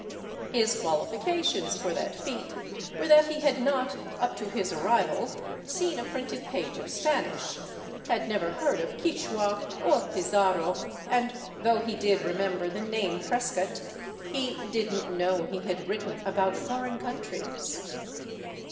His qualifications for that feat were that he had not, up to his arrival, seen a printed page of Spanish, had never heard of Quichua or Pizarro, and though he did remember the name Prescott, he " did n't know he had written about foreign countries."